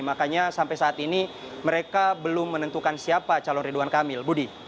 makanya sampai saat ini mereka belum menentukan siapa calon ridwan kamil budi